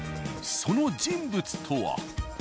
その人物とは。